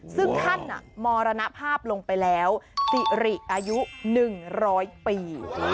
ซึ่งท่านมรณภาพลงไปแล้วสิริอายุหนึ่งร้อยปี